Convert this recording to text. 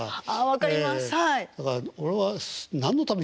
分かります。